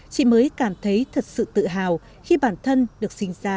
chị mới cảm thấy thật sự tự hào khi bản thân được sinh ra